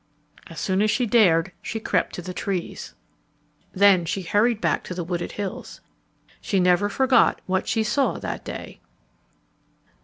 As soon as she dared she crept to the trees. Then she hurried back to the wooded hills. She never forgot what she saw that day.